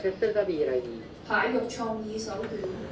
蟹肉創意手卷